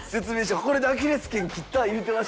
「これでアキレス腱切った言うてましたよ」